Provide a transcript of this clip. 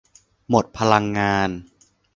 หมดพลังงาน